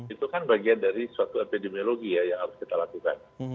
itu kan bagian dari suatu epidemiologi ya yang harus kita lakukan